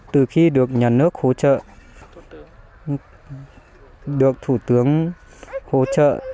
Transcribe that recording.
từ khi được nhà nước hỗ trợ được thủ tướng hỗ trợ